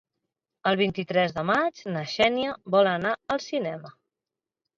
El vint-i-tres de maig na Xènia vol anar al cinema.